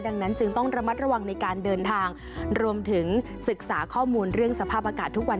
ดังนั้นจึงต้องระมัดระวังในการเดินทางรวมถึงศึกษาข้อมูลเรื่องสภาพอากาศทุกวัน